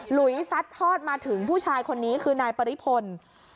ลุยซัดทอดมาถึงผู้ชายคนนี้คือนายปริพล